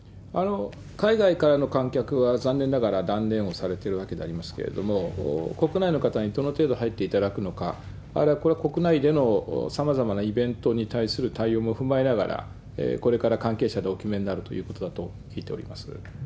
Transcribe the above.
海外からの観客は、残念ながら断念をされてるわけでありますけれども、国内の方にどの程度入っていただくのか、これは国内でのさまざまなイベントに対する対応も踏まえながら、これから関係者でお決めになることだと聞いております。